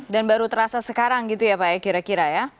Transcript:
dan baru terasa sekarang gitu ya pak kira kira ya